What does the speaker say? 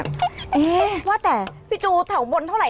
เอ๊ะว่าแต่พี่จูแถวบนเท่าไห